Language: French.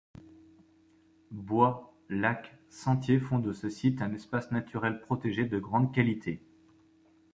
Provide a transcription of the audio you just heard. Bois, lacs, sentiers font de ce site un espace naturel protégé de grande qualité.